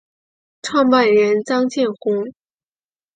创办人张建宏。